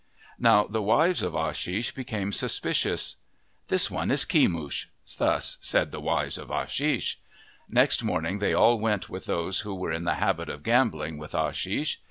Now the wives of Ashish became suspicious. "This one is Kemush," thus said the wives of Ashish. Next morning they all went with those who were in the habit of gambling with Ashish.